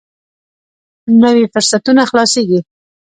نوي فرصتونه خلاصېږي.